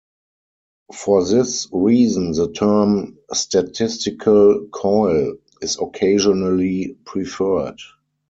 For this reason, the term "statistical coil" is occasionally preferred.